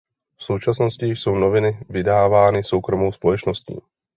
V současnosti jsou noviny vydávány soukromou společností.